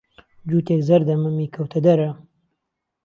جووتیک زەردە مەمی کەوتەدەرە.